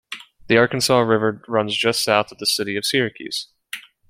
The Arkansas River runs just south of the City of Syracuse.